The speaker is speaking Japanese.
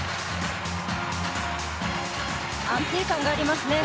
安定感がありますね。